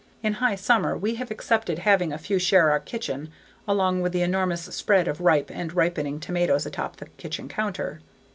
In high summer we have accepted having a few share our kitchen along with the enormous spread of ripe and ripening tomatoes atop the kitchen counter.